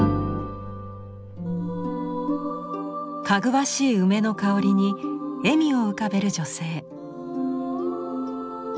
かぐわしい梅の香りに笑みを浮かべる女性。